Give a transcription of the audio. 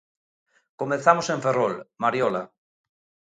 Comezamos en Ferrol, Mariola...